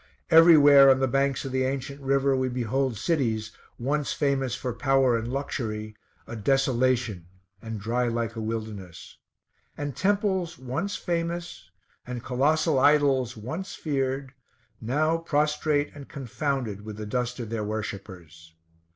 Everywhere on the banks of the ancient river we behold cities, once famous for power and luxury, a desolation, and dry like a wilderness; and temples once famous, and colossal idols once feared, now prostrate and confounded with the dust of their worshippers.